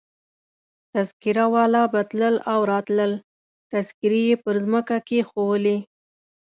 تذکیره والا به تلل او راتلل، تذکیرې يې پر مځکه کښېښولې.